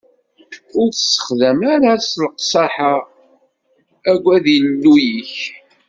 Ur t-ssexdam ara s leqsaḥa, aggad Illu-ik.